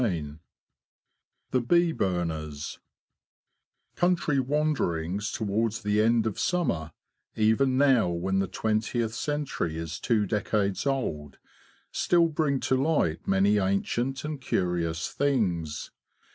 CHAPTER XXX THE BEE BURNERS Co wanderings towards the end of summer, even now when the twentieth century is two decades old, still bring to light many ancient and curious things.